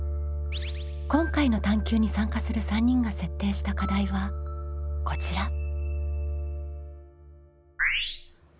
今回の探究に参加する３人が設定した課題はこちら。